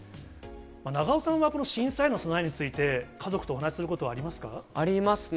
長尾さんはこの震災への備えについて、家族とお話することはありありますね。